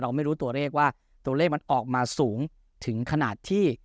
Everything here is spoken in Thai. ไม่รู้ตัวเลขว่าตัวเลขมันออกมาสูงถึงขนาดที่